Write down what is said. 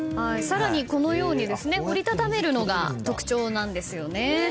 さらにこのように折りたためるのが特徴なんですよね。